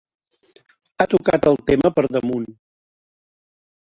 Ha tocat el tema per damunt.